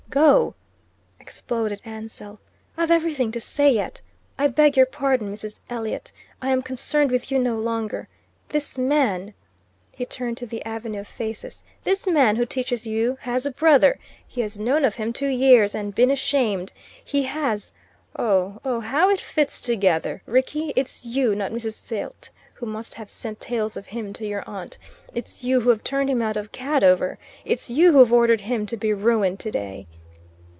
"Go?" exploded Ansell. "I've everything to say yet. I beg your pardon, Mrs. Elliot, I am concerned with you no longer. This man" he turned to the avenue of faces "this man who teaches you has a brother. He has known of him two years and been ashamed. He has oh oh how it fits together! Rickie, it's you, not Mrs. Silt, who must have sent tales of him to your aunt. It's you who've turned him out of Cadover. It's you who've ordered him to be ruined today."